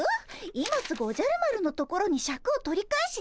今すぐおじゃる丸のところにシャクを取り返しに行くかい？